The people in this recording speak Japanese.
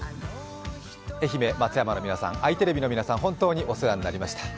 愛媛・松山の皆さん、あいテレビの皆さん、本当にお世話になりました。